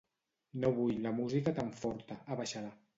No vull la música tan forta, abaixa-la.